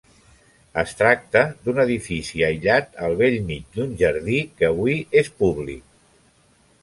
Es tracta d'un edifici aïllat al bell mig d'un jardí que avui és públic.